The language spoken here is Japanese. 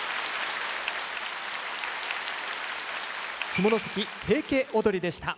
「下関平家踊り」でした。